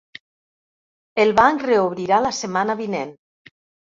El banc reobrirà la setmana vinent.